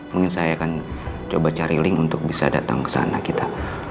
mungkin saya akan coba cari link untuk bisa datang ke sana kita